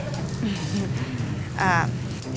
syaratnya apa sih ganteng